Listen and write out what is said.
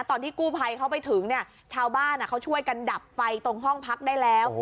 ตอนที่กู้ภัยเขาไปถึงเนี่ยชาวบ้านเขาช่วยกันดับไฟตรงห้องพักได้แล้ว